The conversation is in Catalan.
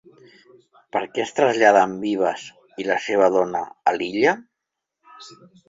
Per què es traslladen Vives i la seva dona a Lilla?